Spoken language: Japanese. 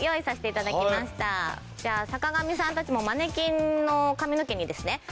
じゃあ坂上さんたちもマネキンの髪の毛にですねたっぷり水を。